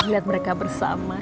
lihat mereka bersama